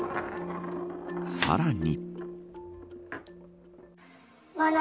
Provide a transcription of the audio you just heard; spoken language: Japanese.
さらに。